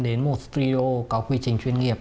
đến một studio có quy trình chuyên nghiệp